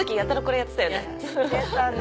やってたね。